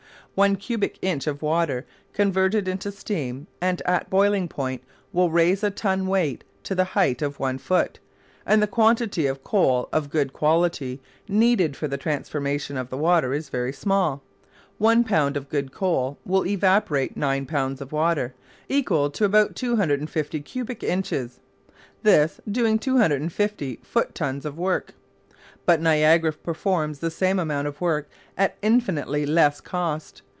One cubic inch of water converted into steam and at boiling point will raise a ton weight to the height of one foot; and the quantity of coal of good quality needed for the transformation of the water is very small. One pound of good coal will evaporate nine pounds of water, equal to about 250 cubic inches, this doing 250 foot tons of work. But Niagara performs the same amount of work at infinitely less cost.